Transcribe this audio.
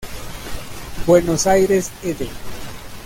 Buenos Aires, Ed.